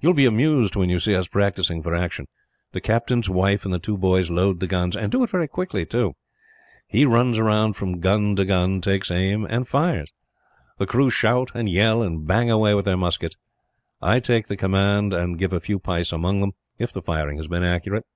"You will be amused when you see us practising for action. The captain's wife and the two boys load the guns, and do it very quickly, too. He runs round from gun to gun, takes aim, and fires. The crew shout, and yell, and bang away with their muskets. I take the command, and give a few pice among them, if the firing has been accurate.